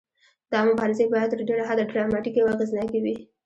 دا مبارزې باید تر ډیره حده ډراماتیکې او اغیزناکې وي.